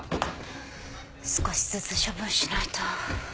少しずつ処分しないと。